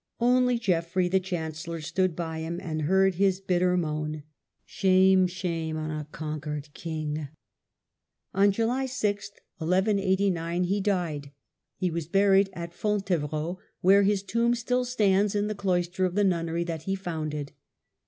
Only Geoflfrey the chancellor stood by him and heard his bitter moan, "Shame, shame on a conquered CHARACTER OF HENRY II. 35 king". On July 6, 1189, he died. He was buried at Fontevrault, where his tomb still stands in the cloister of the nunnery that he founded.